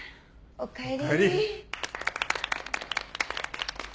おかえり！